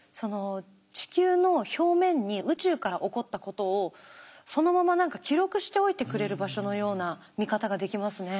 地球の表面に宇宙から起こったことをそのまま何か記録しておいてくれる場所のような見方ができますね。